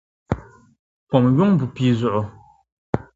Pom yuŋ bu pia zuɣu.